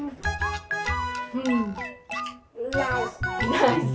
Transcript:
ナイス。